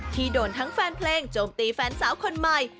ที่โดนทั้งแฟนเพลงโจมตีแฟนสาวคนใหม่